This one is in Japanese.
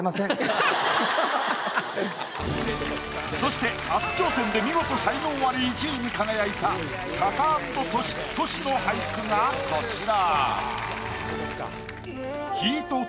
そして初挑戦で見事才能アリ１位に輝いたタカアンドトシトシの俳句がこちら。